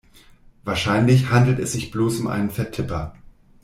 Wahrscheinlich handelt es sich bloß um einen Vertipper.